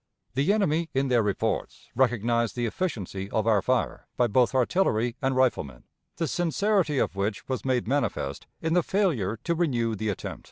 The enemy in their reports recognized the efficiency of our fire by both artillery and riflemen, the sincerity of which was made manifest in the failure to renew the attempt.